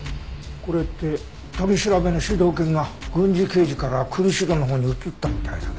これって取り調べの主導権が郡司刑事から栗城のほうに移ったみたいだけど。